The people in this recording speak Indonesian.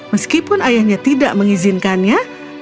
meskipun ayahnya tidak mengizinkannya